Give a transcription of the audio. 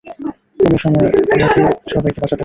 কেন সবসময় আমাকেই সবাইকে বাঁচাতে হয়?